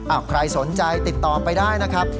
ใครสนใจติดต่อไปได้นะครับ